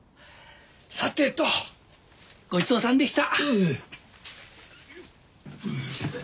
さてとごちそうさんでした。